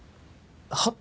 はっ！？